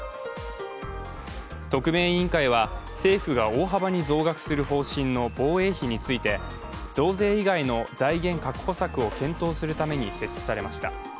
特命委員会は政府が大幅に増額する方針の防衛費について増税以外の財源確保策を検討するために設置されました。